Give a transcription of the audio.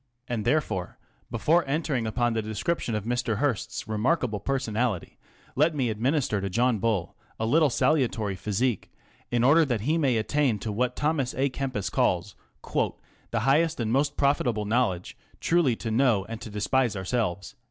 And therefore before 328 The Review Mr. Hearst's Mother. entering upon the description of Mr. Hearst's remark able personality, let me administer to John Bull a little salutary physic in order that he may attain to what Thomas a Kempis calls " the highest and most profitable knowledge truly to know and to despise ourselves."